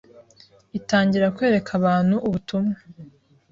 itangira kwereka abantu ubutumwa